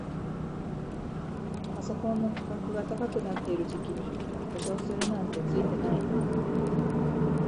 パソコンの価格が高くなってる時期に故障するなんてツイてない